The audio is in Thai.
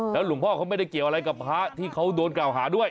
หลวงพ่อเขาไม่ได้เกี่ยวอะไรกับพระที่เขาโดนกล่าวหาด้วย